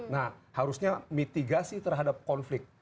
nah harusnya mitigasi terhadap konflik